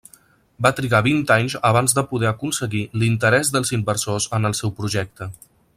Va trigar vint anys abans de poder aconseguir l'interès dels inversors en el seu projecte.